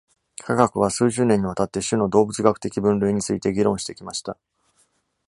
科学は数十年にわたって種の動物学的分類について議論してきました。